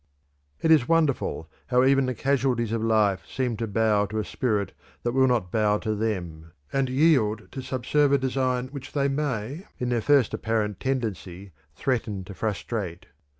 _ "It is wonderful how even the casualties of life seem to bow to a spirit that will not bow to them, and yield to subserve a design which they may, in their first apparent tendency, threaten to frustrate.